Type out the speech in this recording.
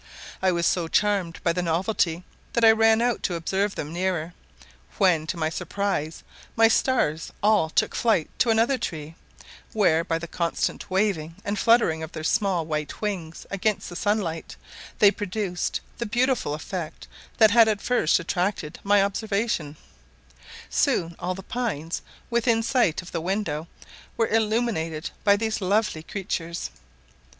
I was so charmed by the novelty, that I ran out to observe them nearer; when, to my surprise, my stars all took flight to another tree, where, by the constant waving and fluttering of their small white wings against the sunlight, they produced the beautiful effect that had at first attracted my observation: soon all the pines within sight of the window were illuminated by these lovely creatures.